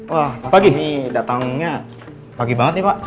wah pasti datangnya pagi banget nih pak